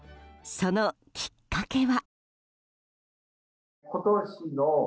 そのきっかけは。